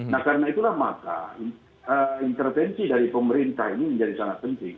nah karena itulah maka intervensi dari pemerintah ini menjadi sangat penting